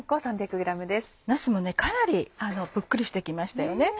なすもかなりぷっくりして来ましたよね。